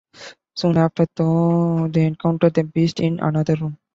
Soon after though, they encounter the Beast in another room.